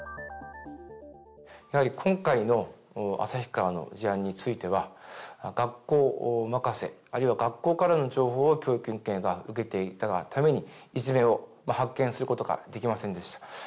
やはり今回の旭川の事案については学校任せあるいは学校からの情報を教育委員会が受けていたがためにいじめを発見することができませんでした